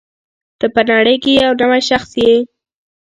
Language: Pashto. ته په نړۍ کې یو نوی شخص یې.